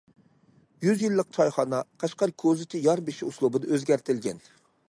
يۈز يىللىق چايخانا قەشقەر كوزىچى يار بېشى ئۇسلۇبىدا ئۆزگەرتىلگەن.